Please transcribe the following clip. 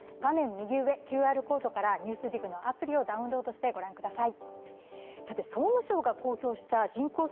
右上、ＱＲコードから「ＮＥＷＳＤＩＧ」のアプリを登録してご覧ください。